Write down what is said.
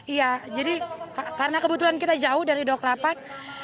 iya jadi karena kebetulan kita jauh dari doklapan